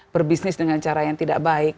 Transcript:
berbisnis dengan cara yang tidak baik